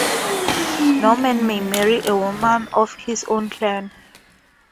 No man may marry a woman of his own clan.